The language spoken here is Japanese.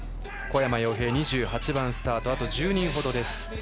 小山陽平、２８番スタートあと１０人ほど。